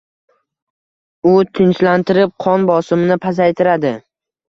U tinchlantirib, qon bosimini pasaytiradi.